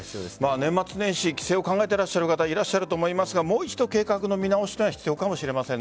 年末なので帰省を考えてる方いらっしゃると思いますがもう一度計画の見直しが必要かもしれません。